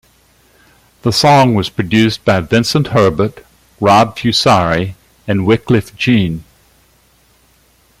The song was produced by Vincent Herbert, Rob Fusari and Wyclef Jean.